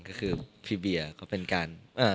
ก็คือพี่เบียร์